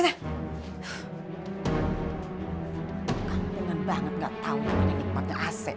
kampungan banget gak tau gimana dipake ac